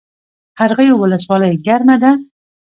قرغیو ولسوالۍ ګرمه ده؟